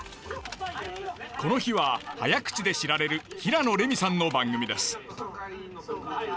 この日は早口で知られる平野レミさんの番組です。